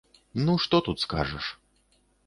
Ну, што тут скажаш?